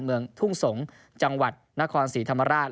เมืองทุ่งสงศ์จังหวัดนครศรีธรรมราช